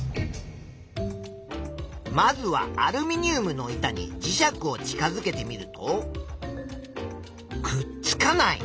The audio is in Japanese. まずはアルミニウムの板に磁石を近づけてみるとくっつかない。